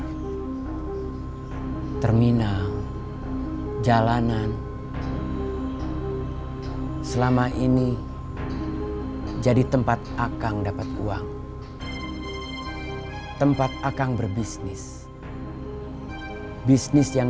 hai terminal jalanan selama ini jadi tempat akang dapat uang tempat akang berbisnis bisnis yang